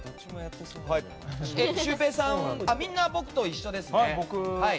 あ、みんな僕と一緒ですね。